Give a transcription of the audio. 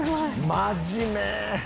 真面目。